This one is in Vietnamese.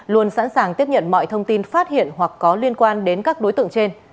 luôn sẵn sàng tiếp nhận mọi thông tin phát hiện hoặc có liên quan đến các đối tượng trên